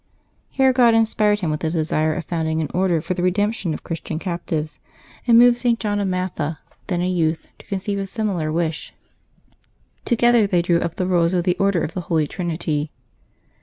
Here God inspired him with the desire of founding an Order for the redemption of Christian captives, and moved St. John of Matha, then a youth, to conceive a similar wish. Together they drew up the rules of the Order of the Holy Trinity.